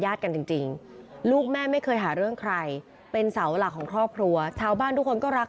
กันจริงลูกแม่ไม่เคยหาเรื่องใครเป็นเสาหลักของครอบครัวชาวบ้านทุกคนก็รัก